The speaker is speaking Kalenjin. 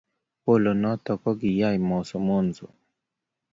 Bolo notok kokiyay masomonso